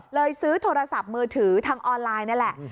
ซื้อโทรศัพท์มือถือทางออนไลน์นี่แหละ